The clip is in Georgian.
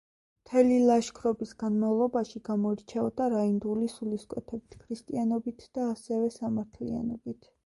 მთელი ლაშქრობის განმავლობაში გამოირჩეოდა რაინდული სულისკვეთებით ქრისტიანობით და ასევე სამართლიანობით.